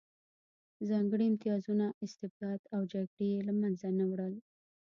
ځانګړي امتیازونه، استبداد او جګړې یې له منځه نه وړل